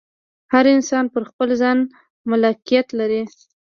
هر انسان پر خپل ځان مالکیت لري.